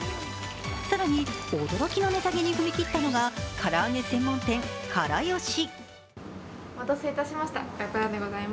更に驚きの値下げに踏み切ったのが唐揚げ専門店・から好し。